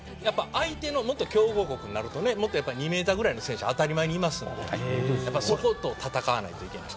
相手が強豪国になると２メートルぐらいの選手は当たり前にいますのでそこと戦わないといけない。